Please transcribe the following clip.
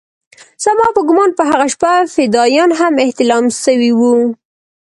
زما په ګومان په هغه شپه فدايان هم احتلام سوي وو.